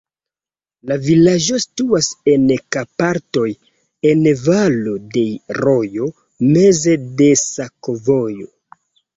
La vilaĝo situas en Karpatoj, en valo de rojo, meze de sakovojo.